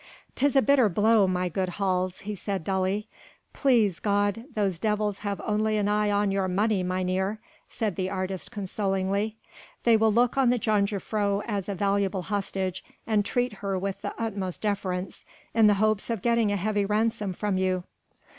"'Tis a bitter blow, my good Hals," he said dully. "Please God, those devils have only an eye on your money, mynheer," said the artist consolingly. "They will look on the jongejuffrouw as a valuable hostage and treat her with the utmost deference in the hopes of getting a heavy ransom from you."